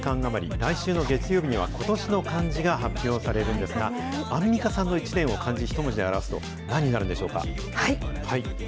来週の月曜日には今年の漢字が発表されるんですが、アンミカさんの１年を漢字一文字で表すと何になるんでしょうか。